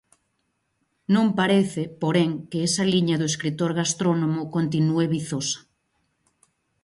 Non parece, porén, que esa liña do escritor gastrónomo continúe vizosa.